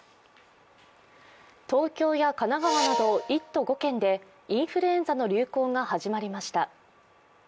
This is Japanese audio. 東京や神奈川など１都５県でインフルエンザの流行が始まりました。